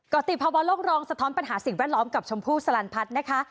ติภาวะโลกรองสะท้อนปัญหาสิ่งแวดล้อมกับชมพู่สลันพัฒน์นะคะ